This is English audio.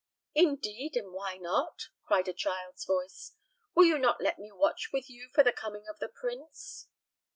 "Indeed! and why not?" cried a child's voice. "Will you not let me watch with you for the coming of the prince?"